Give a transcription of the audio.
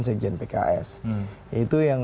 wakil presiden pks itu yang